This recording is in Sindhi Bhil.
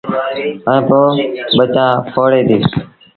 ائيٚݩ پو ٻچآ ڦوڙي ديٚ۔